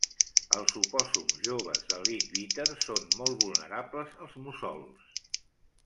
Els opòssums joves de Leadbeater són molt vulnerables als mussols.